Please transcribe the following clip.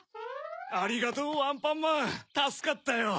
ありがとうアンパンマンたすかったよ。